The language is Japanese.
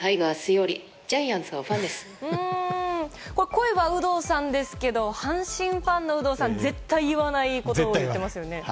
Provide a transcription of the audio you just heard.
声は有働さんですけど阪神ファンの有働さんが絶対に言わないことを言っていますよね。